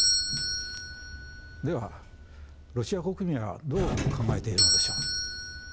ではロシア国民はどう考えているのでしょう？